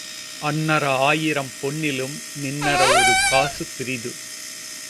அண்ணற ஆயிரம் பொன்னிலும் நிண்ணற ஒரு காசு பெரிது.